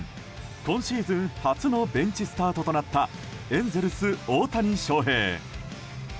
今シーズン初のベンチスタートとなったエンゼルス大谷翔平。